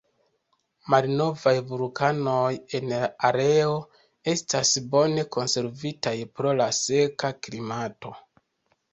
Malnovaj vulkanoj en la areo estas bone konservitaj, pro la seka klimato.